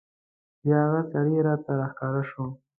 بیا هغه سړی راته راښکاره شو.